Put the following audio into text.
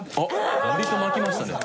割と巻きましたね。